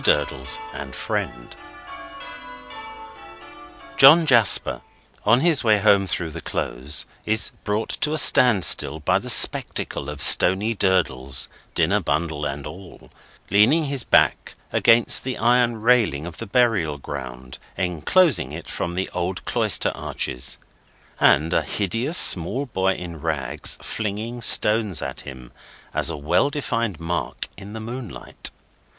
DURDLES AND FRIEND John Jasper, on his way home through the Close, is brought to a stand still by the spectacle of Stony Durdles, dinner bundle and all, leaning his back against the iron railing of the burial ground enclosing it from the old cloister arches; and a hideous small boy in rags flinging stones at him as a well defined mark in the moonlight.